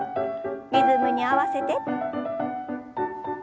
リズムに合わせて。